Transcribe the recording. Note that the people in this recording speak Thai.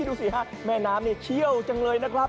ดูสิฮะแม่น้ำนี่เชี่ยวจังเลยนะครับ